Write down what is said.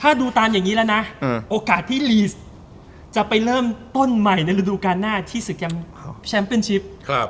ถ้าดูตามอย่างนี้แล้วนะโอกาสที่ลีสจะไปเริ่มต้นใหม่ในฤดูการหน้าที่ศึกแชมป์เป็นชิป